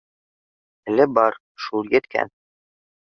Әле бар, шул еткән